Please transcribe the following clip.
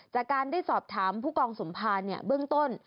จากการได้สอบถามผู้กองสมภารเบื้องต้น